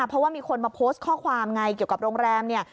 เพราะว่ามีคนมาโพสต์ข้อความไงเกี่ยวกับโรงแรมเนี่ย